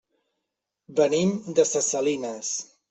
Venim de ses Salines.